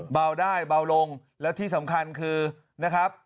เบาได้เบาลงแล้วที่สำคัญคือนะครับ